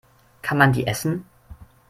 Kann man die essen?